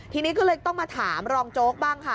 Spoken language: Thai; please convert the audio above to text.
ทีนี้ก็เลยต้องมาถามรองโจ๊กบ้างค่ะ